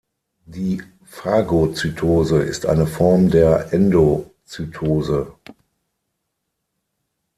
Die Phagozytose ist eine Form der Endozytose.